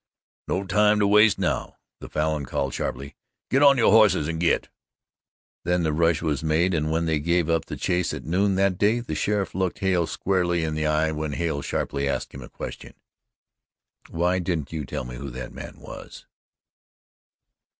"No time to waste now," the Falin called sharply. "Git on yo' hosses and git!" Then the rush was made and when they gave up the chase at noon that day, the sheriff looked Hale squarely in the eye when Hale sharply asked him a question: "Why didn't you tell me who that man was?"